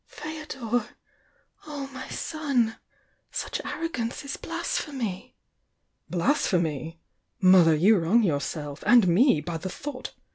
"Feodor! Oh, my son! Such arrogance is blas phemy!" "Blasphemy? Mother, you wrong yourself and me by the thought!